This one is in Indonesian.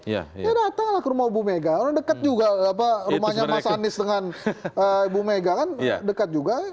ya datanglah ke rumah ibu mega orang dekat juga rumahnya mas anies dengan ibu mega kan dekat juga